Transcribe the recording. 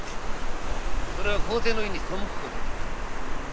それは皇帝の意に背くことになる。